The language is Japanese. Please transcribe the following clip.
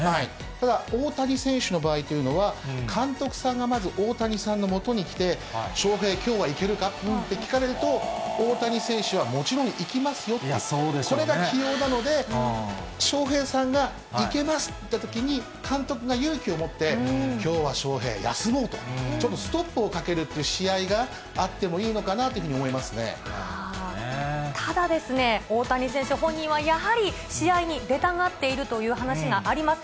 ただ大谷選手の場合というのは、監督さんがまず大谷さんのもとに来て、翔平、きょうはいけるかって聞かれると、大谷選手はもちろんいきますよっていう、これが起用なので、翔平さんがいけますって言ったときに、監督が勇気を持って、きょうは翔平、休もうと、ちょっとストップをかける試合があってもいいのかなというふうにただですね、大谷選手本人はやはり、試合に出たがっているという話があります。